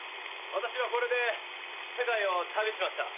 私はこれで世界を旅しました。